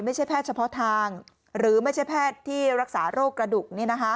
แพทย์เฉพาะทางหรือไม่ใช่แพทย์ที่รักษาโรคกระดูก